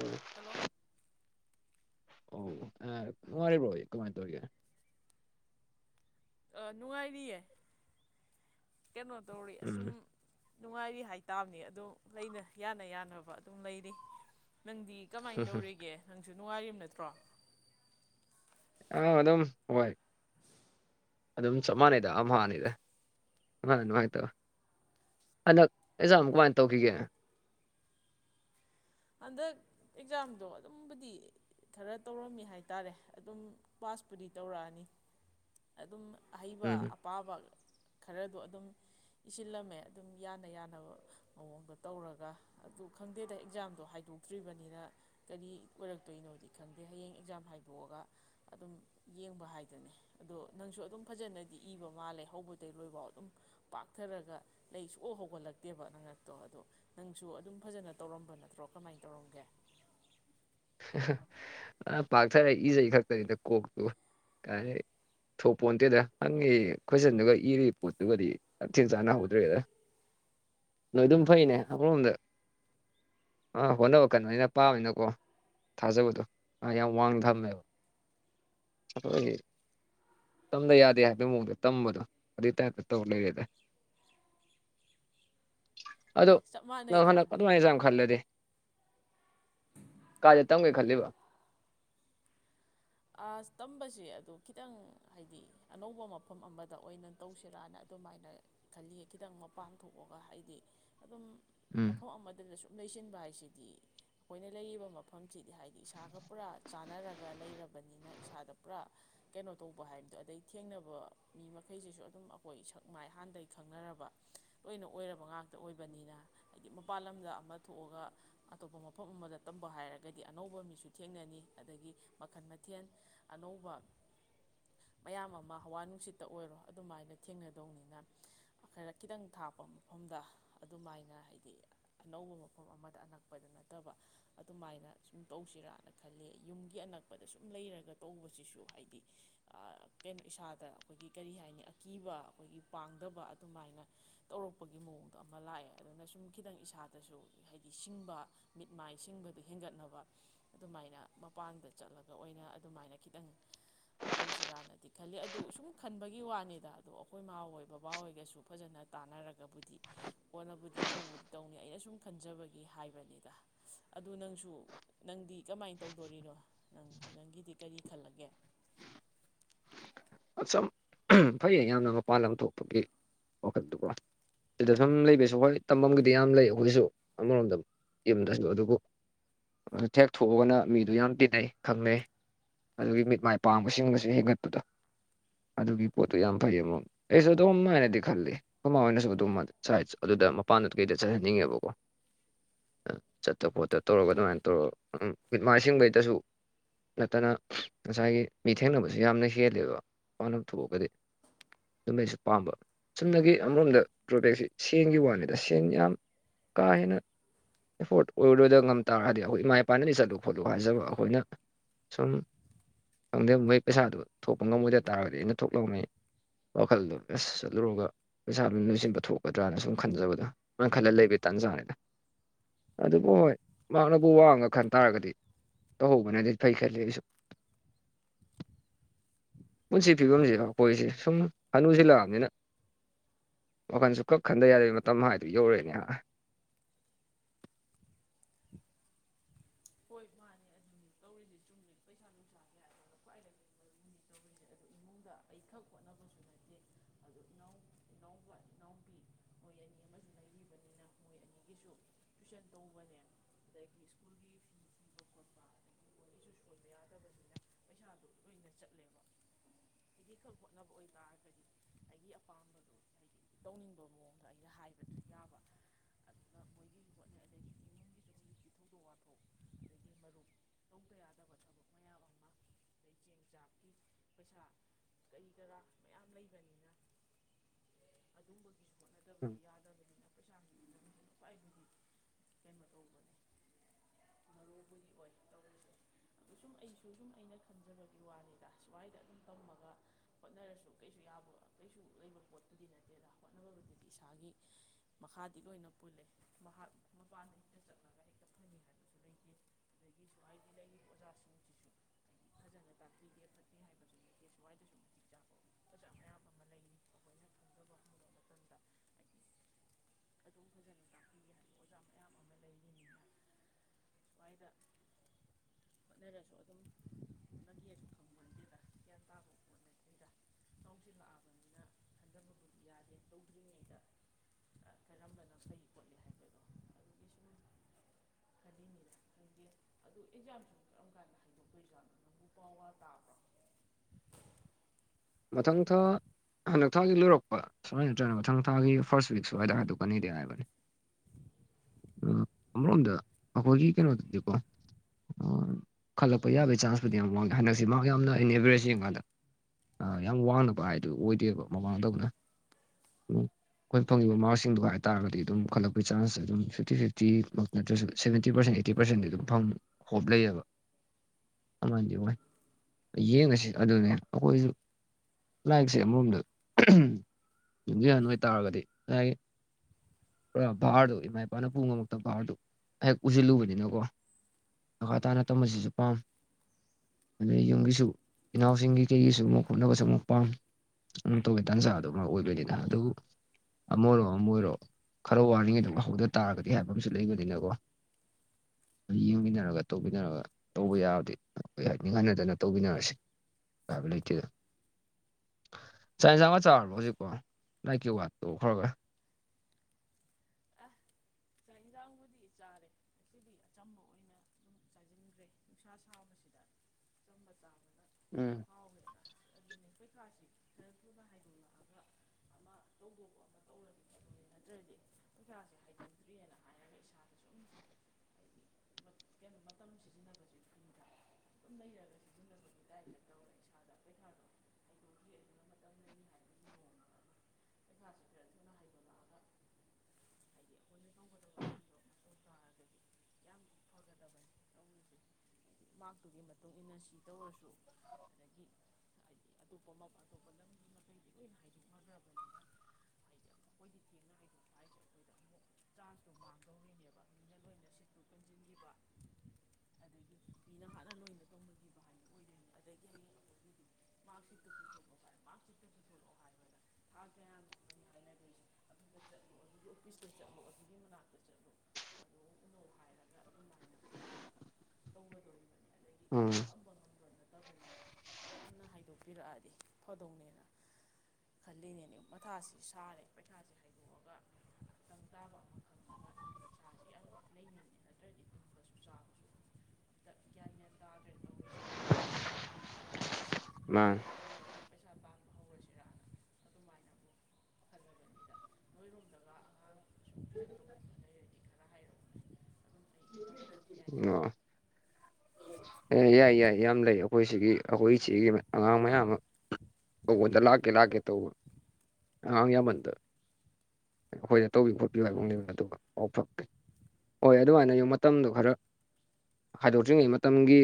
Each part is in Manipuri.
ꯎꯝ ꯍꯜꯂꯣ ꯑꯣꯑꯩꯅ ꯅꯨꯉꯥꯏꯔꯤꯕ꯭ꯔꯣ ꯑꯩ ꯀꯃꯥꯏ ꯇꯧꯔꯤꯒꯦ ꯑ ꯅꯨꯡꯉꯥꯏꯔꯤꯌꯦ ꯀꯩꯅꯣ ꯇꯧꯔꯤ ꯑꯁꯨꯝ ꯎꯝ ꯅꯨꯡꯉꯥꯏꯔꯤ ꯍꯥꯏꯇꯥꯕꯅꯤ ꯑꯗꯨ ꯂꯩꯅ ꯌꯥꯅ ꯌꯥꯅꯕ ꯑꯗꯨꯝ ꯂꯩꯔꯤ ꯅꯪꯗꯤ ꯀꯃꯥꯏꯅ ꯇꯧꯔꯤꯒꯦ ꯅꯁꯨ ꯅꯨꯡꯉꯥꯏꯔꯤꯕ ꯅꯠꯇ꯭ꯔꯣ ꯑ ꯑꯗꯨꯝ ꯍꯣꯏ ꯑꯗꯨꯝ ꯆꯞ ꯃꯥꯟꯅꯩꯗ ꯑ ꯍꯅꯤꯗ ꯑꯗꯨꯃꯅ ꯑꯗꯨꯃꯥꯏꯅ ꯇꯧ ꯍꯟꯗꯛ ꯑꯦꯛꯖꯥꯝ ꯀꯃꯥꯏꯅ ꯇꯧꯈꯤꯒꯦ ꯍꯟꯗꯛ ꯑꯦꯛꯖꯥꯝꯗꯣ ꯑꯗꯨꯝꯕꯨꯗꯤ ꯈꯔ ꯇꯧꯔꯝꯃꯤ ꯍꯥꯏꯇꯥꯔꯦ ꯑꯗꯨꯝ ꯄꯥꯁꯄꯨꯗꯤ ꯇꯧꯔꯛꯑꯅꯤ ꯑꯗꯨꯝ ꯑꯍꯩꯕ ꯎꯝ ꯑꯄꯥꯕ ꯈꯔꯗꯣ ꯑꯗꯨꯝ ꯏꯁꯤꯜꯂꯝꯃꯦ ꯑꯗꯨꯝ ꯌꯥꯅ ꯌꯥꯅꯕ ꯃꯑꯣꯡꯗꯣ ꯇꯧꯔꯒ ꯑꯗꯨ ꯈꯪꯗꯦꯗ ꯑꯦꯛꯖꯥꯝ ꯑꯗꯣ ꯍꯥꯏꯗꯣꯛꯇ꯭ꯔꯤꯕꯅꯤꯅ ꯀꯔꯤ ꯑꯣꯏꯔꯛꯇꯣꯏꯅꯣꯗꯤ ꯈꯪꯗꯦ ꯍꯌꯦꯡ ꯑꯦꯛꯖꯥꯝ ꯍꯥꯏꯗꯣꯛꯑꯒ ꯑꯗꯨꯝ ꯌꯦꯡꯕ ꯍꯥꯏꯗꯅꯦ ꯑꯗꯣ ꯅꯪꯁꯨ ꯑꯗꯨꯝ ꯐꯖꯅꯗꯤ ꯏꯕ ꯃꯥꯜꯂꯦ ꯍꯧꯕꯗꯩ ꯂꯣꯏꯐꯥꯎ ꯑꯗꯨꯝ ꯄꯥꯛꯊꯔꯒ ꯂꯩ ꯁꯣꯛꯑ ꯍꯧꯒꯠꯂꯛꯇꯦꯕ ꯅꯪꯉꯛꯇꯣ ꯑꯗꯣ ꯅꯪꯁꯨ ꯑꯗꯨꯝ ꯐꯖꯅ ꯇꯧꯔꯝꯕ ꯅꯠꯇ꯭ꯔꯣ ꯀꯃꯥꯏꯅ ꯇꯧꯔꯝꯒꯦ ꯑ ꯄꯥꯛꯊꯔ ꯏꯖꯩ ꯈꯛꯇꯅꯤꯗ ꯀꯣꯛꯇꯨ ꯀꯥꯏ ꯊꯣꯛꯄꯣꯟꯟꯇꯦꯗ ꯍꯪꯉꯤ ꯈꯣꯏꯆꯟꯗꯨꯒ ꯏꯔꯤꯕ ꯄꯣꯠꯇꯨꯒꯗꯤ ꯌꯥꯝꯊꯦꯡ ꯆꯥꯅꯍꯧꯗ꯭ꯔꯦꯗ ꯅꯣꯏ ꯑꯗꯨꯝ ꯐꯩꯅꯦ ꯑꯃꯔꯣꯝꯗ ꯑꯥ ꯍꯣꯠꯅꯕ ꯀꯩꯅꯣ ꯑꯩꯅ ꯄꯥꯝꯃꯤꯅꯀꯣ ꯊꯥꯖꯕꯗꯣ ꯌꯥꯝ ꯋꯥꯡꯅ ꯊꯝꯃꯦꯕ ꯑꯩꯈꯣꯏ ꯇꯝꯗ ꯌꯥꯗꯦ ꯍꯥꯏꯕꯒꯤ ꯃꯑꯣꯡꯗ ꯇꯝꯕꯗꯣ ꯑꯗꯨꯏ ꯇꯥꯏꯞꯇ ꯇꯧ ꯂꯩꯔꯦꯗ ꯑꯗꯣ ꯑꯦ ꯆꯞ ꯅꯪ ꯃꯥꯟꯅꯩꯗ ꯍꯗꯛ ꯀ ꯑꯗꯨ ꯑꯗꯨꯋꯥꯥꯏꯅꯖꯥ ꯈꯜꯂꯗꯤ ꯀꯥꯥꯁꯦ ꯇꯝꯒꯦ ꯈꯜꯂꯤꯕ ꯇꯝꯕꯁꯦ ꯑꯗꯨ ꯈꯤꯇꯪ ꯍꯥꯏꯗꯤ ꯑꯅꯧꯕ ꯃꯐꯝ ꯑꯃꯗ ꯑꯣꯏꯅ ꯇꯧꯁꯤꯔꯥꯅ ꯑꯗꯨꯃꯥꯏꯅ ꯈꯜꯂꯤ ꯈꯤꯇꯪ ꯃꯄꯥꯟ ꯊꯣꯛꯑꯒ ꯍꯥꯏꯗꯤ ꯑꯗꯨꯝ ꯎꯝ ꯃꯐꯝ ꯑꯃꯗꯗꯁꯨ ꯂꯩꯁꯤꯟꯕ ꯍꯥꯏꯁꯤꯗꯤ ꯑꯩꯈꯣꯏꯅ ꯂꯩꯔꯤꯕ ꯃꯐꯝꯁꯤꯗꯤ ꯍꯥꯏꯗꯤ ꯏꯁꯥꯒ ꯄꯨꯔꯥ ꯆꯥꯟꯅꯔꯒ ꯂꯩꯔꯕ ꯕꯅꯤꯅ ꯏꯁꯥꯗ ꯄꯨꯔꯥ ꯀꯩꯅꯣ ꯇꯧꯕ ꯍꯥꯏꯕꯗꯣ ꯑꯗꯩ ꯊꯦꯡꯅꯕ ꯃꯤ ꯃꯈꯩꯁꯤꯁꯨ ꯑꯗꯨꯝ ꯑꯩꯈꯣꯏ ꯁꯛ ꯃꯥꯏ ꯍꯥꯟꯗꯒꯤꯩ ꯈꯪꯅꯔꯕ ꯂꯣꯏꯅ ꯑꯣꯏꯔꯕ ꯉꯥꯛꯇ ꯑꯣꯏꯕꯅꯤꯅ ꯍꯥꯏꯗꯤ ꯃꯄꯥꯟ ꯂꯝꯗ ꯑꯃ ꯊꯣꯛꯑꯒ ꯑꯇꯣꯞꯄ ꯃꯐꯝ ꯑꯃꯗ ꯇꯝꯕ ꯍꯥꯏꯔꯒꯗꯤ ꯑꯅꯧꯕ ꯃꯤꯁꯨ ꯊꯦꯡꯅꯅꯤ ꯑꯗꯒꯤ ꯃꯈꯟ ꯏꯊꯦꯟ ꯑꯅꯧꯕ ꯃꯌꯥꯝ ꯑꯃ ꯍꯋꯥ ꯅꯨꯡꯁꯤꯠꯇ ꯑꯣꯏꯔꯣ ꯑꯗꯨꯃꯥꯏꯅ ꯊꯦꯡꯅꯗꯧꯅꯤꯅ ꯈꯔ ꯈꯤꯇꯪ ꯊꯥꯛꯄ ꯃꯐꯝꯗ ꯑꯗꯨꯃꯥꯏꯅ ꯍꯥꯏꯗꯤ ꯑꯅꯧꯕ ꯃꯐꯝ ꯑꯃꯗ ꯑꯅꯛꯄꯗ ꯅꯠꯇꯕ ꯑꯗꯨꯃꯥꯏꯅ ꯁꯨꯝ ꯇꯧꯁꯤꯔꯥꯅ ꯈꯜꯂꯤ ꯌꯨꯝꯒꯤ ꯑꯅꯛꯄꯗ ꯗ ꯁꯨꯝ ꯂꯩꯔꯒ ꯇꯧꯕꯁꯤꯁꯨ ꯍꯥꯏꯗꯤ ꯀꯩꯅꯣ ꯏꯁꯥꯗ ꯑꯩꯈꯣꯏꯒꯤ ꯀꯔꯤ ꯍꯥꯏꯅꯤ ꯑꯀꯤꯕ ꯑꯩꯈꯣꯏꯒꯤ ꯄꯥꯡꯗꯕ ꯑꯗꯨꯃꯥꯏꯅ ꯇꯧꯔꯛꯄꯒꯤ ꯃꯑꯣꯡꯗꯣ ꯑꯃ ꯂꯥꯛꯑꯦ ꯑꯗꯨꯅ ꯁꯨꯝ ꯈꯤꯇꯪ ꯏꯁꯥꯗꯁꯨ ꯍꯥꯏꯗꯤ ꯁꯤꯡꯕ ꯃꯤꯠ ꯃꯥꯏ ꯁꯤꯡꯕꯗꯣ ꯍꯦꯟꯒꯠꯅꯕ ꯑꯗꯨꯃꯥꯏꯅ ꯃꯄꯥꯟꯗ ꯆꯠꯂꯒ ꯑꯣꯏꯅ ꯑꯗꯨꯃꯥꯏꯅ ꯈꯤꯇꯪ ꯇꯧꯁꯤꯔꯥꯅꯗꯤ ꯈꯜꯂꯤ ꯑꯗꯨ ꯁꯨꯝ ꯈꯟꯕꯒꯤ ꯋꯥꯅꯤꯗ ꯑꯗꯣ ꯑꯩꯈꯣꯏ ꯏ ꯃꯥꯥꯍꯣꯏ ꯕꯕꯥꯍꯣꯏꯒꯁꯨ ꯐꯖꯅ ꯇꯥꯟꯅꯔꯒꯕꯨꯗꯤ ꯀꯣꯟꯅꯕꯨꯗꯤ ꯇꯧꯕꯗꯤ ꯇꯧꯅꯤ ꯑꯩꯅ ꯁꯨꯝ ꯈꯟꯖꯕꯒꯤ ꯍꯥꯏꯕꯅꯤꯗ ꯑꯗꯨ ꯅꯪꯁꯨ ꯅꯪꯗꯤ ꯀꯃꯥꯏꯅ ꯇꯧꯗꯣꯔꯤꯅꯣ ꯅꯪ ꯅꯪꯒꯤꯗꯤꯛ ꯀꯔꯤ ꯈꯜꯂꯒꯦ ꯁꯨꯝ ꯐꯩꯌꯦ ꯌꯥꯝꯅ ꯃꯄꯥꯟ ꯂꯝ ꯊꯣꯛꯄꯒꯤ ꯋꯥꯈꯜꯗꯨꯀꯣ ꯁꯤꯗ ꯁꯨꯝ ꯂꯩꯕꯁꯨ ꯍꯣꯏ ꯇꯝꯐꯝꯒꯤꯗꯤ ꯌꯥꯝ ꯂꯩ ꯑꯩꯕꯨꯗꯤꯁꯨ ꯑꯃꯔꯣꯝꯗ ꯌꯨꯝꯗꯁꯨ ꯑꯗꯨꯕꯨ ꯊꯦꯛ ꯊꯣꯛꯑꯒꯅ ꯃꯤꯗꯣ ꯌꯥꯝ ꯇꯤꯟꯅꯩ ꯈꯪꯅꯩ ꯑꯗꯨꯒꯤ ꯃꯤꯠ ꯃꯥꯏ ꯄꯥꯡꯕꯁꯤꯡꯒꯁꯨ ꯍꯦꯟꯒꯠꯄꯗ ꯑꯗꯨꯒꯤ ꯄꯣꯠꯇꯣ ꯌꯥꯝ ꯐꯩꯌꯦ ꯃ ꯑꯩꯁꯨ ꯑꯗꯨꯝ ꯍꯥꯏꯅꯗꯤ ꯈꯜꯂꯤ ꯈꯨꯃ ꯑꯣꯏꯅꯁꯨ ꯑꯗꯨꯝ ꯁꯥꯏꯠ ꯑꯗꯨꯗ ꯃꯄꯥꯟ ꯑꯗꯨ ꯀꯩꯗ ꯆꯠꯍꯟꯅꯤꯡꯉꯦꯕꯀꯣ ꯆꯠꯇ ꯈꯣꯠꯇ ꯇꯧꯔꯒ ꯑꯗꯨꯃꯥꯏꯅ ꯇꯧꯔꯒ ꯃꯤꯠꯃꯥꯏꯁꯤꯡꯈꯩꯗꯁꯨ ꯅꯠꯇꯅ ꯉꯁꯥꯏꯒꯤ ꯃꯤꯊꯦꯡꯅꯕꯁꯨ ꯌꯥꯝꯅ ꯍꯦꯜꯂꯦꯕ ꯋꯥꯅ ꯊꯣꯛꯑꯒꯗꯤ ꯑꯗꯨꯝꯕꯩꯁꯨ ꯄꯥꯝꯕ ꯆꯨꯝꯅꯒꯤ ꯑꯃꯔꯣꯝꯗ ꯄ꯭ꯔꯣꯗꯛꯁꯤ ꯁꯦꯟꯒꯤ ꯋꯥꯅꯤꯗ ꯁꯦꯟ ꯌꯥꯝ ꯀꯥ ꯍꯦꯟꯅ ꯑꯦꯐꯣꯔꯠ ꯑꯣꯏꯔꯨꯔꯣꯏꯗ ꯉꯝ ꯇꯥꯔꯗꯤ ꯑꯩꯈꯣꯏ ꯏꯃꯥ ꯏꯄꯥꯅꯗꯤ ꯆꯠꯂꯨ ꯈꯣꯠꯂꯨ ꯍꯥꯏꯖꯕ ꯑꯩꯈꯣꯏꯅ ꯁꯨꯝ ꯈꯪꯗꯦ ꯃꯣꯏ ꯄꯩꯁꯥꯗꯣ ꯊꯣꯛꯄ ꯉꯝꯃꯣꯏꯗ ꯇꯥꯔꯒꯗꯤ ꯑꯩꯅ ꯊꯣꯛꯂꯛꯉꯩ ꯋꯥꯈꯜꯗꯣ ꯑꯁ ꯆꯠꯂꯨꯔꯒ ꯄꯩꯁꯥꯗꯨ ꯂꯣꯏꯁꯤꯟꯕ ꯊꯣꯛꯀꯗ꯭ꯔꯥꯅ ꯁꯨꯝ ꯈꯟꯖꯕꯗꯣ ꯂꯣꯏ ꯈꯜꯂ ꯂꯩꯕ ꯇꯥꯟꯖꯥꯅꯤꯅ ꯑꯗꯨꯕꯨ ꯍꯣꯏ ꯃꯍꯥꯛꯅꯕꯨ ꯋꯥꯡꯉ ꯈꯟ ꯇꯥꯔꯒꯗꯤ ꯇꯧꯍꯧꯕꯅꯗꯤ ꯐꯩ ꯈꯜꯂꯤ ꯑꯩꯁꯨ ꯄꯨꯟꯁꯤ ꯐꯤꯕꯝꯁꯤꯦ ꯑꯩꯈꯣꯏꯁꯦ ꯁꯨꯝ ꯍꯅꯨꯁꯤꯜꯂꯛꯑꯕꯅꯤꯅ ꯋꯥꯈꯜꯁꯨ ꯈꯛ ꯈꯟꯗ ꯌꯥꯗꯣꯏ ꯃꯇꯝ ꯍꯥꯏꯗꯨ ꯌꯧꯔꯛꯑꯦꯅꯦ ꯍꯣꯏ ꯃꯥꯅꯦ ꯑꯗꯨ ꯇꯧꯔꯤꯁꯦ ꯆꯨꯝ ꯄꯩꯁꯥ ꯅꯨꯡꯁꯥ ꯀ꯭ꯋꯥꯏ ꯇꯧꯔꯤꯅꯦ ꯑꯣ ꯏꯃꯨꯡꯗ ꯑꯩ ꯈꯛ ꯍꯣꯠꯅꯕꯁꯨ ꯅꯠꯇꯦ ꯑꯗꯨ ꯏꯅꯥꯎ ꯏꯅꯥꯎꯕ ꯏꯅꯥꯎꯕꯤ ꯃꯣꯏ ꯑꯅꯤ ꯑꯃꯁꯨ ꯂꯩꯔꯤꯕꯅꯤꯅ ꯃꯣꯏ ꯑꯅꯤꯒꯤꯁꯨ ꯇꯨꯏꯁꯟ ꯇꯧꯕꯅꯦ ꯑꯗꯒꯤ ꯁ꯭ꯀꯨꯜꯒꯤ ꯦꯕ ꯍꯣꯠꯅꯕ ꯑꯣꯏꯇꯥꯔꯒꯗꯤ ꯑꯩꯒꯤ ꯑꯄꯥꯝꯕꯗꯣ ꯍꯥꯏꯗꯤ ꯇꯧꯅꯤꯡꯕ ꯃꯑꯣꯡꯗ ꯑꯩꯅ ꯍꯥꯏꯕꯗꯨ ꯌꯥꯕ ꯑꯗꯨꯅ ꯃꯣꯏꯒꯤ ꯑꯗꯒꯤ ꯊꯧꯗꯣꯛ ꯋꯥꯊꯣꯛ ꯑꯗꯒꯤ ꯃꯔꯨꯞ ꯇꯗ ꯌꯥꯗꯕ ꯊꯕꯛ ꯃꯌꯥꯝ ꯑꯃ ꯑꯩ ꯆꯦꯡ ꯆꯥꯛꯀꯤ ꯄꯩꯁꯥ ꯀꯔꯤ ꯀꯔꯥ ꯃꯌꯥꯝ ꯂꯩꯕꯅꯤꯅ ꯑꯗꯨꯝꯕꯒꯤ ꯎꯝ ꯄꯩꯁꯥꯒꯤꯒꯤ ꯀꯩꯅꯣ ꯇꯧꯕꯅꯦ ꯨ ꯁꯨꯝ ꯑꯩꯁꯨ ꯁꯨꯝ ꯑꯩꯅ ꯈꯟꯖꯕꯒꯤ ꯋꯥꯅꯤꯗ ꯁꯨꯋꯥꯏꯗ ꯑꯗꯨꯝ ꯇꯝꯃꯒ ꯍꯣꯠꯅꯔꯁꯨ ꯀꯩꯁꯨ ꯌꯥꯕ ꯀꯩꯁꯨ ꯂꯩꯕ ꯄꯣꯠꯇꯨꯗꯤ ꯅꯠꯇꯦꯗ ꯍꯣꯠꯅꯕꯗꯨꯗꯤ ꯏꯁꯥꯒꯤ ꯃꯈꯥꯗꯤ ꯂꯣꯏꯅ ꯄꯨꯜꯂꯦ ꯃꯍꯥꯛ ꯃꯄꯥꯟꯗꯂꯒ ꯍꯦꯛꯇ ꯐ ꯇꯦ ꯑꯗꯒꯤ ꯁ꯭ꯋꯥꯏꯒꯤ ꯂꯩꯔꯤꯕ ꯑꯣꯖꯥꯁꯤꯡꯁꯤꯁꯨ ꯍꯥꯏꯗꯤ ꯐꯖꯅ ꯇꯥꯛꯄꯤꯗꯦ ꯐꯠꯇꯦ ꯍꯥꯏꯕꯁꯨ ꯂꯩꯇꯦ ꯁ꯭ꯋꯥꯏꯗꯁꯨ ꯃꯇꯤꯛ ꯆꯥꯕ ꯑꯣꯖꯥ ꯃꯌꯥꯝ ꯑꯃ ꯂꯩꯔꯤ ꯑꯩꯈꯣꯏꯅ ꯈꯪꯖꯕ ꯐꯪꯕ ꯃꯇꯝꯗ ꯍꯥꯏꯗꯤ ꯑꯗꯨꯝ ꯐꯖꯅ ꯇꯥꯛꯄꯤꯒꯦ ꯍꯥꯏꯕ ꯑꯣꯖꯥ ꯃꯌꯥꯝ ꯑꯃ ꯂꯩꯔꯤꯅꯤꯅ ꯁ꯭ꯋꯥꯏꯗ ꯍꯣꯠꯅꯔꯁꯨ ꯑꯗꯨꯝ ꯅꯪꯒꯦꯁꯨ ꯈꯪꯒ ꯅꯗꯦꯗ ꯒ꯭ꯌꯥꯟ ꯇꯥꯕ ꯄꯣꯠ ꯂꯩꯩꯗ ꯏꯅꯥꯁꯤ ꯂꯥꯛꯑꯕꯅꯤꯅ ꯈꯟꯊꯕꯕꯨꯗꯤ ꯌꯥꯗꯦ ꯂꯧꯧꯗ꯭ꯔꯤꯉꯩꯗ ꯀꯔꯝꯕꯅꯣ ꯐꯩ ꯈꯣꯠꯂꯤ ꯍꯥꯏꯕꯗꯣ ꯑꯗꯨꯒꯤ ꯁꯨꯝ ꯈ ꯑꯗꯨꯥꯝ ꯀꯔꯝ ꯀꯥꯟꯗꯗꯣꯛꯣꯪꯕꯨ ꯄꯥꯎ ꯇꯥꯕ꯭ꯔꯥ ꯃꯊꯪ ꯊꯥ ꯍꯟꯗꯛ ꯊꯥꯒꯤ ꯂꯣꯏꯔꯛꯄ ꯁꯨꯃꯥꯏꯅ ꯅꯠꯇ꯭ꯔꯒꯅ ꯃꯊꯪ ꯊꯥꯒꯤ ꯐꯥꯔꯁ ꯋꯤꯛ ꯁ꯭ꯋꯥꯏꯗ ꯍꯥꯏꯗꯣꯛꯀꯅꯤꯗꯤ ꯍꯥꯏꯕꯅꯤ ꯑꯃꯔꯣꯝꯗ ꯑꯩꯈꯣꯏꯒꯤ ꯀꯩꯅꯣꯗꯗꯤꯀꯣ ꯈꯜꯂꯛꯄ ꯌꯥꯕꯒꯤ ꯆꯥꯟꯁꯄꯨꯗꯤ ꯌꯥꯝ ꯋꯥꯡꯉꯦ ꯍꯟꯗꯛꯁꯤ ꯃꯍꯥꯛ ꯌꯥꯝꯅ ꯏꯟ ꯑꯦꯕꯔꯦꯖ ꯌꯦꯡꯀꯥꯟꯗ ꯌꯥꯝ ꯋꯥꯡꯅꯕ ꯍꯥꯏꯗꯨ ꯑꯣꯏꯗꯦꯕ ꯃꯃꯥꯡꯗꯕꯨꯅꯝ ꯑꯩꯈꯣꯏ ꯐꯪꯉꯤꯕ ꯃꯥꯔꯛꯁꯤꯡꯗꯣ ꯍꯥꯏꯇꯥꯥꯔꯒꯗꯤ ꯑꯗꯨꯝ ꯈꯜꯂꯛꯄꯒꯤ ꯆꯥꯟꯁ ꯑꯗꯨꯝ ꯐꯤꯐꯇꯤ ꯐꯤꯐꯇꯤꯃꯛ ꯅꯠꯇ꯭ꯔꯁꯨ ꯁꯚꯦꯟꯇꯤ ꯄꯥꯔꯁꯦꯟ ꯑꯩꯠꯇꯤ ꯄꯥꯔꯁꯦꯟꯗꯤ ꯑꯗꯨꯝ ꯐꯪ ꯍꯣꯞ ꯂꯩꯌꯦꯕ ꯑꯗꯨꯃꯥꯏꯅꯗꯤ ꯑꯣꯏ ꯌꯦꯡꯉꯁꯤ ꯑꯗꯨꯅꯦ ꯑꯩꯈꯣꯏꯁꯨ ꯂꯥꯏꯔꯤꯛꯁꯦ ꯑꯃꯔꯣꯝꯗ ꯌꯨꯝꯁꯤꯍꯟ ꯑꯣꯏꯇꯥꯥꯔꯒꯗꯤ ꯉꯁꯥꯏ ꯄꯨꯔꯥ ꯚꯥꯔꯗꯨꯣ ꯏꯃꯥ ꯏꯄꯥꯅ ꯄꯨ ꯉꯃꯛꯇ ꯚꯥꯔꯗꯨ ꯍꯦꯛ ꯎꯁꯤꯜꯂꯨꯕꯅꯤꯅꯀꯣ ꯃꯈꯥ ꯇꯥꯅ ꯇꯝꯕꯁꯤꯁꯨ ꯄꯥꯝ ꯑꯗꯩ ꯌꯨꯝꯒꯤꯁꯨ ꯏꯅꯥꯎꯁꯤꯡꯒꯤ ꯀꯩꯒꯤꯁꯨ ꯑꯃꯨꯛ ꯍꯣꯠꯅꯕꯁꯨ ꯑꯃꯨꯛ ꯄꯥꯝꯃꯤ ꯑꯃ ꯇꯧꯒꯤ ꯇꯥꯟꯖꯥꯗꯨꯃ ꯑꯣꯏꯗꯣꯏꯅꯤꯅ ꯑꯗꯨꯕꯨ ꯑꯃ ꯑꯣꯏꯔꯣ ꯑꯃ ꯑꯣꯏꯔꯣ ꯈꯔ ꯋꯥꯅꯤꯡꯉꯩ ꯑꯗꯨꯝ ꯍꯧꯗ ꯇꯥꯔꯒꯗꯤ ꯍꯥꯏꯕ ꯑꯃꯁꯨ ꯂꯩꯕꯅꯤꯅꯀꯣ ꯑꯗꯨ ꯌꯦꯡꯃꯤꯟꯅꯔꯒ ꯇꯧꯕꯤꯟꯅꯔꯒ ꯇꯧꯕ ꯌꯥꯕꯗꯤ ꯑꯩꯈ ꯍꯥꯏ ꯅꯤꯡꯍꯟꯅꯗꯅ ꯇꯧꯕꯃꯤꯟꯅꯔꯁꯤ ꯍꯥꯏꯕ ꯂꯩꯇꯦꯗ ꯆꯥꯛ ꯌꯦꯟꯁꯥꯡꯒ ꯆꯥꯔꯕꯣ ꯍꯧꯖꯤꯛꯀꯣ ꯅꯥꯏꯀꯤꯦ ꯋꯥꯠꯇꯣꯛꯈ꯭ꯔꯒ ꯑꯁ ꯆꯥꯛ ꯌꯦꯟꯁꯥꯡꯕꯨꯗꯤ ꯆꯥꯔꯦ ꯑꯩꯗꯤ ꯑꯆꯝꯕ ꯑꯣꯏꯅ ꯑꯗꯨꯝ ꯆꯥꯁꯤꯟꯈ꯭ꯔꯦ ꯅꯨꯡꯁꯥ ꯁꯥꯎꯕꯁꯤꯗ ꯑꯆꯝꯕ ꯆꯥꯕꯗ ꯎꯝ [inaudible] ꯄꯩꯈꯥꯁꯦ ꯍꯩꯗꯣꯛꯇ꯭ꯔꯤꯑꯅ ꯍꯥꯏꯔꯒ ꯏꯁꯥꯗ ꯁꯨꯝ ꯍꯥꯏꯗꯤ ꯀꯩꯅꯣ ꯃꯇꯝ ꯁꯤꯖꯤꯟꯅꯕꯁꯦ ꯐꯗ ꯑꯗꯨꯝ ꯂꯩꯔꯒ ꯁꯤꯖꯤꯟꯅꯕꯒꯤ ꯗꯥꯏꯇ ꯇꯧꯔꯦ ꯏꯁꯥꯗ ꯄꯩꯈꯥꯗꯣꯗꯣꯛꯈꯤ ꯑꯗꯨꯅ ꯃꯇꯝ ꯂꯩ ꯍꯥꯏꯕꯒꯤ ꯄꯩꯈꯥꯁꯦ ꯐꯔ ꯊꯨꯅ ꯍꯩꯗꯣꯛꯂꯛꯑꯒ ꯃꯥꯇꯨꯒꯤ ꯁꯤ ꯇꯧꯔꯁꯨ ꯑꯗꯒꯤꯗꯤ ꯑꯇꯣꯞꯄꯇꯣꯞꯄ [inaudible] ꯁꯦ ꯑꯩꯈꯣꯏ ꯑꯃꯨ ꯆꯥꯟꯁꯇꯣ ꯃꯥꯡꯗꯧꯔꯤꯅꯦꯕ ꯃꯤꯅ ꯂꯣꯏꯅ ꯁꯤꯠꯇꯨ ꯀꯟꯁꯤꯟꯈꯤꯕ ꯑꯗꯒꯤ ꯃꯤꯅ ꯍꯥꯟꯅ ꯂꯣꯏꯅ ꯇꯧꯅꯈꯤꯕ ꯍꯥꯏꯅ ꯑꯣꯏꯗꯣꯏꯅꯦ ꯑꯗꯒꯤ ꯍꯌꯦꯡ ꯊꯥ ꯀꯌꯥꯅꯣ ꯑꯣꯐꯤꯁꯇ ꯆꯠꯂꯣ ꯑꯗꯨꯒꯤ ꯃꯅꯥꯛꯇ ꯆꯠꯂꯣ ꯑ ꯎꯅꯧ ꯍꯥꯏꯔꯒ ꯑꯗꯨꯃꯥꯏꯅ ꯇꯧꯒꯗꯣꯔꯤꯕꯅꯤ ꯎꯝ ꯅꯤꯅ ꯐ ꯊꯅ ꯍꯥꯏꯗꯣꯛꯄꯤꯔꯛꯑꯗꯤ ꯐꯗꯧꯅꯦꯅ ꯈꯜꯂꯤꯅꯦꯅꯦ ꯃꯊꯥꯁꯤ ꯁꯥꯔꯦ ꯄꯩꯈꯥꯁꯦ ꯍꯥꯏꯗꯣꯛꯑꯒ ꯇꯪ ꯇꯥꯕ ꯑꯃ ꯈꯪꯕꯒ ꯆꯥꯁꯤ ꯌꯥꯝꯅ ꯂꯩꯅꯩꯩ ꯅꯠꯇ꯭ꯔꯗꯤ ꯊꯨꯝꯕꯁꯨ ꯆꯥꯕꯁꯨ ꯎꯝ ꯍꯧꯔꯁꯤꯔꯥ ꯑꯗꯨꯃꯥꯏꯅ ꯈꯜꯂꯕꯅꯤꯗ ꯅꯣꯏꯔꯣꯝꯗ ꯑ ꯑꯉꯥꯡ ꯁꯨꯝꯁ ꯇꯨꯏꯁꯟ ꯇꯧ ꯅꯤꯡꯕ ꯂꯩꯔꯗꯤ ꯈꯔ ꯍꯥꯏꯔ ꯑꯗꯨꯝ ꯑꯩ ꯇꯧꯔꯁꯨ ꯌꯥꯏꯅꯦ ꯎꯝ ꯑꯦ ꯌꯥꯏ ꯌꯥꯏ ꯌꯥꯝ ꯂꯩ ꯑꯩꯈꯣꯏ ꯁꯤꯒꯤ ꯑꯩꯈꯣꯏ ꯁꯤꯒꯤ ꯑꯉꯥꯡ ꯃꯌꯥꯝ ꯑꯃ ꯇꯧꯕꯣꯗ ꯂꯥꯛꯀꯦ ꯂꯥꯛꯀꯦ ꯇꯧꯕ ꯑꯉꯥꯡ ꯌꯥꯝꯃꯟꯗꯅ ꯑꯩꯈꯣꯏꯗ ꯇꯧꯕꯤꯌꯨ ꯈꯣꯠꯄꯤꯌꯨ ꯍꯥꯏꯕꯅꯦꯕ ꯑꯗꯨꯒ ꯄꯥꯎ ꯐꯦ ꯍꯣꯏ ꯑꯗꯨꯃꯥꯏꯅ ꯃꯇꯝꯗꯣ ꯈꯔ ꯍꯥꯏꯗꯣꯛꯇ꯭ꯔꯤꯉꯩ ꯃꯇꯝꯒꯤ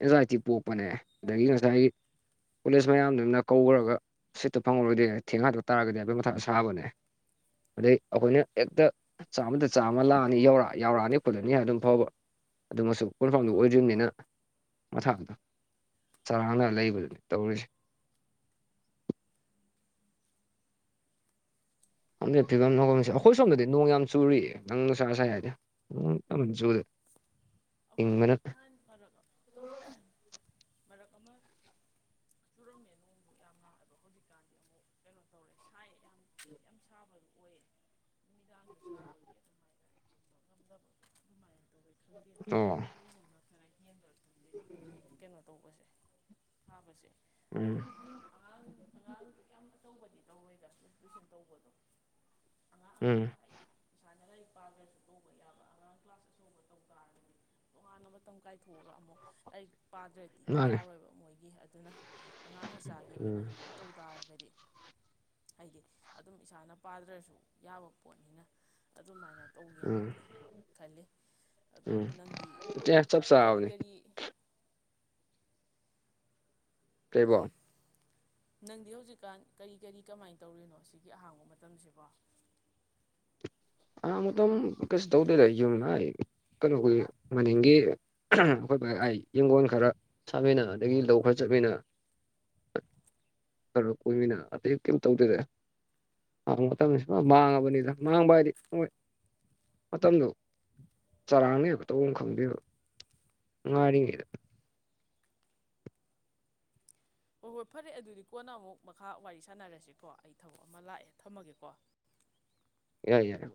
ꯑꯦꯟꯖꯥꯏꯇꯤ ꯄꯣꯛꯄꯅꯦ ꯑꯗꯒꯤ ꯉꯁꯥꯏ ꯀꯣꯂꯦꯖ ꯃꯌꯥꯝꯗꯨꯅ ꯀꯧꯈ꯭ꯔꯒ ꯁꯤꯠꯇꯣ ꯐꯪꯉꯔꯣꯏꯗꯦ ꯊꯦꯡ ꯍꯥꯥꯛꯇ ꯇꯥꯔꯒꯗꯤ ꯑꯩꯕꯣꯏ ꯃꯊꯥ ꯁꯥꯕꯅꯦ ꯑꯗꯩ ꯑꯩꯈꯣꯏꯅ ꯍꯦꯛꯇ ꯆꯥꯝꯃꯗ ꯆꯥꯝꯃ ꯂꯥꯛꯑꯅꯤꯧꯔ ꯌꯧꯔꯛꯑꯅꯤ ꯈꯠꯂꯅꯤ ꯑꯗꯨꯝ ꯐꯥꯎꯕ ꯑꯗꯨꯃꯁꯨ ꯀꯣꯟꯐꯝꯥꯗꯨ ꯑꯣꯏꯗ꯭ꯅꯤꯅ ꯃꯊꯥꯗꯣ ꯆꯔꯥꯡꯅ ꯂꯩꯕꯗꯨꯅꯤ ꯇꯧꯔꯤꯁꯦ [unintelligible] ꯐꯤꯕꯝ ꯅꯣꯡꯁꯦ ꯅꯪꯗꯤ ꯑꯩꯈꯣꯏ ꯁꯣꯝꯗꯗꯤ ꯅꯣꯡ ꯌꯥꯝ ꯆꯨꯔꯤ ꯅꯪ ꯅꯨꯡꯁꯥ ꯁꯥꯏ ꯍꯥꯏꯔꯤ ꯅꯣꯡ ꯌꯥꯝꯅ ꯀꯟꯅ ꯆꯨꯔꯤ ꯑꯩꯈꯣꯏ ꯅ ꯐꯔꯒ ꯃꯔꯛ ꯑꯃ ꯆꯨꯔꯝꯃꯦ ꯅꯣꯡꯗ ꯌꯥꯝ ꯅꯥꯑꯕ ꯍꯧꯖꯤꯛꯀꯥꯟꯗꯤ ꯑꯃꯨꯛ ꯀꯩꯅꯣ ꯇꯧꯔꯦ ꯁꯥꯏ ꯌꯥꯝ ꯌꯥꯝ ꯁꯥꯕꯗꯨ ꯑꯣꯏꯌꯦ ꯅꯨꯃꯤꯗꯥꯡꯗ ꯁꯥꯕꯒꯤ ꯑꯗꯨꯃꯥꯏꯅ ꯆꯨꯝꯕ ꯉꯝꯗꯕꯗꯣ ꯑꯗꯨꯃꯥꯏꯅ ꯇꯧꯋꯦ ꯈꯟꯕꯤꯦ ꯑꯣ ꯍꯣꯏ ꯍ ꯅ ꯈꯔ [unintelligible] ꯀꯩꯅꯣ ꯇꯧꯕꯁꯦ ꯍꯥꯥ ꯃꯁꯦ ꯑꯗꯣ ꯎꯝ ꯑꯉꯥꯡ ꯑꯉꯥꯡ ꯇꯧꯕꯗꯤ ꯇꯧꯔꯣꯏꯗꯥ ꯇꯨꯏꯁꯟ ꯇꯧꯕꯗꯣ ꯎꯝ ꯁꯥꯅ ꯂꯥꯏꯔꯤꯛ ꯄꯥꯗ꯭ꯔꯁꯨ ꯇꯧꯕ ꯌꯥꯕ ꯑꯉꯥꯡ ꯀ꯭ꯂꯥꯁ ꯑꯆꯧꯕ ꯇꯧ ꯇꯥꯔꯒꯗꯤ ꯋꯥꯅ ꯃꯇꯝ ꯀꯥꯏꯊꯣꯛꯑꯒ ꯑꯃꯨꯛ ꯑꯩ ꯄꯥꯗ꯭ꯔꯗꯤ ꯃꯥꯅꯦ ꯌꯥꯔꯣꯏꯕ ꯃꯣꯏꯒꯤ ꯑꯗꯨꯅ ꯑꯉꯥꯡ ꯃꯆꯥꯒꯤ ꯑꯣꯏꯅ ꯎꯝ ꯇꯧ ꯇꯥꯔꯒꯗꯤ ꯑꯩꯗꯤ ꯑꯗꯨꯝ ꯏꯁꯥꯅ ꯄꯥꯗ꯭ꯔꯁꯨ ꯌꯥꯕ ꯄꯣꯠꯅꯤꯅ ꯑꯗꯨꯃꯥꯏꯅ ꯎꯝ ꯇꯧꯒꯦꯅꯗꯤ ꯈꯜꯂꯤ ꯑꯗꯣ ꯎꯝ ꯅꯪꯗꯤ ꯆꯞ ꯀꯔꯤ ꯆꯥꯕꯅꯤ ꯀꯔꯤ ꯀꯩꯕꯣ ꯅꯪꯗꯤ ꯍꯧꯖꯤꯛꯀꯥꯟ ꯀꯔꯤ ꯀꯔꯤ ꯀꯃꯥꯏꯅ ꯇꯧꯔꯤꯅꯣ ꯁꯤꯒꯤ ꯑꯍꯥꯡꯕ ꯃꯇꯝꯁꯤꯕꯣ ꯑꯉꯥꯡ ꯃꯇꯝ ꯀꯩꯁꯨ ꯇꯧꯗꯣꯏꯗ ꯌꯨꯝꯅ ꯀꯩꯅꯣꯒꯤ ꯃꯅꯤꯡꯒꯤ ꯑꯩꯈꯣꯏ ꯌꯦꯡꯒꯣꯟ ꯈꯔ ꯁꯥꯃꯤꯟꯅ ꯑꯗꯒꯤ ꯂꯧ ꯈꯔ ꯆꯠꯃꯤꯟꯅ ꯈꯔ ꯀꯣꯏꯃꯤꯟꯅ ꯑꯇꯩ ꯀꯔꯤꯝ ꯇꯧꯗꯣꯏꯗ ꯑꯉꯥꯡꯕ ꯃꯇꯝꯁꯨ ꯃꯥꯡꯉꯕꯅꯤꯅ ꯃꯥꯡꯕ ꯍꯥꯏꯗꯤ ꯍꯣꯏ ꯃꯇꯝꯗꯨ ꯆꯔꯥꯡꯅꯩ ꯇꯧꯕꯝ ꯈꯪꯗꯦꯕ ꯉꯥꯏꯔꯤꯉꯩꯗ ꯍꯣꯏ ꯍꯣꯏ ꯐꯔꯦ ꯑꯗꯨꯗꯤ ꯀꯣꯟꯅ ꯑꯃꯨꯛ ꯃꯈꯥ ꯋꯥꯔꯤ ꯁꯥꯟꯅꯔꯁꯤꯀꯣ ꯑꯩ ꯊꯕꯛ ꯑꯃ ꯂꯥꯛꯑꯦ ꯊꯝꯃꯒꯦꯀꯣ ꯌꯥꯏ ꯌꯥꯏ